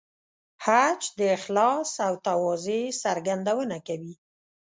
حج د اخلاص او تواضع څرګندونه کوي.